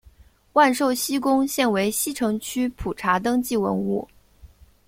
万寿西宫现为西城区普查登记文物。